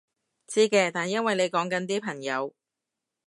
知嘅，但因為你講緊啲朋友